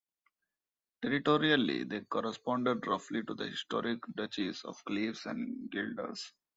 Territorially they corresponded roughly to the historic duchies of Cleves and Guelders.